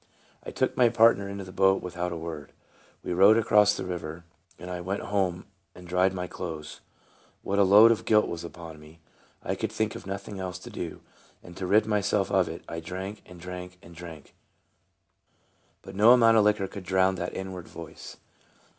I took my partner into the boat without a word. We rowed across the river, and I went home and dried my clothes. What a load of guilt was upon me. I could think of nothing else to do, and to rid myself of it I drank, and drank, and drank. But no amount 46 TRANSFORMED. of liquor could drown that inward voice.